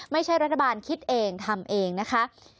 ไม่ใช่รัฐบาลคิดเองทำเองนะคะ